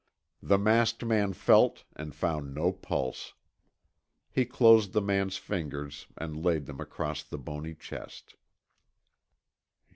The masked man felt and found no pulse. He closed the old man's fingers and laid them across the bony chest.